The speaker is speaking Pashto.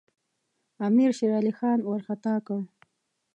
امیر شېرعلي خان وارخطا کړ.